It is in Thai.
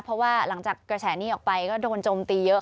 เพราะว่าหลังจากกระแสนี้ออกไปก็โดนโจมตีเยอะ